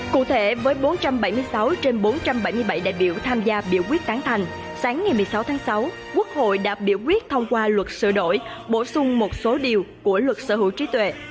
cụ thể với bốn trăm bảy mươi sáu trên bốn trăm bảy mươi bảy đại biểu tham gia biểu quyết tán thành sáng ngày một mươi sáu tháng sáu quốc hội đã biểu quyết thông qua luật sửa đổi bổ sung một số điều của luật sở hữu trí tuệ